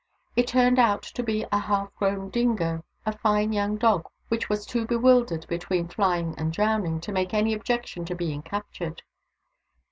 It turned out to be a half grown dingo, a fine young dog, which was too bewildered, between flying and drowning, to make any objection to being captured.